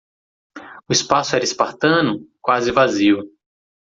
O espaço era espartano? quase vazio.